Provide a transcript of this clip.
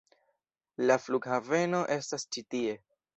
La flughaveno estas ĉi tie.